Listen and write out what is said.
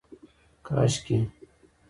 کاشکي